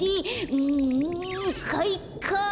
うんかいか！